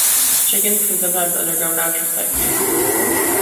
Chickens can sometimes undergo natural sex changes.